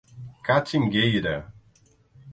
Catingueira